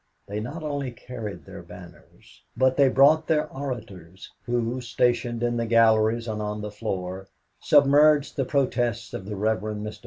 They not only carried their banners, but they brought their orators, who, stationed in the galleries and on the floor, submerged the protests of the Rev. Mr.